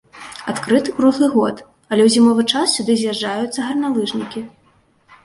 Адкрыты круглы год, але ў зімовы час сюды з'язджаюцца гарналыжнікі.